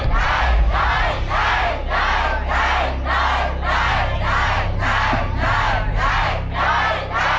ได้